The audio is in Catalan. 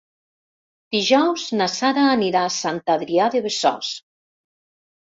Dijous na Sara anirà a Sant Adrià de Besòs.